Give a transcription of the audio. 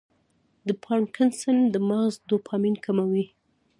د پارکنسن د مغز ډوپامین کموي.